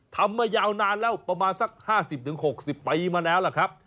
ทำมายาวนานแล้วประมาณสัก๕๐๖๐ปีมาแล้วล่ะครับ